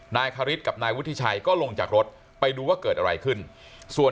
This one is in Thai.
นายคริสกับนายวุฒิชัยก็ลงจากรถไปดูว่าเกิดอะไรขึ้นส่วน